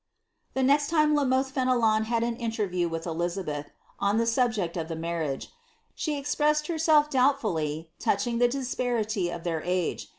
' The next time La Moihe Fenelon had an interview with Elisabeth, OQ the subject of the marriage, she expressed herself doubtfully toudt ing the disparity of iheir age.